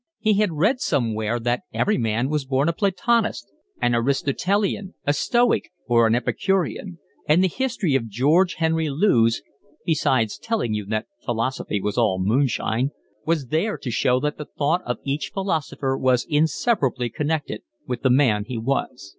He had read somewhere that every man was born a Platonist, an Aristotelian, a Stoic, or an Epicurean; and the history of George Henry Lewes (besides telling you that philosophy was all moonshine) was there to show that the thought of each philosopher was inseparably connected with the man he was.